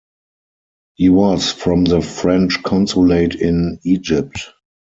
He was from the French consulate in Egypt.